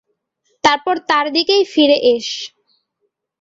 তারপর তার দিকেই ফিরে এস।